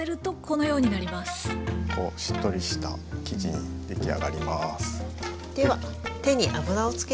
こうしっとりした生地に出来上がります。